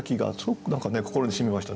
心にしみましたね。